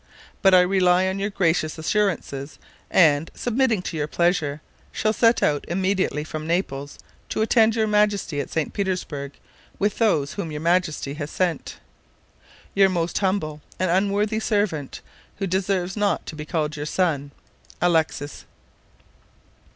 But I rely on your gracious assurances, and, submitting to your pleasure, shall set out immediately from Naples to attend your majesty at Petersburg with those whom your majesty has sent. "Your most humble and unworthy servant, who deserves not to be called your son, "ALEXIS."